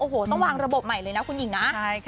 โอ้โหต้องวางระบบใหม่เลยนะคุณหญิงนะ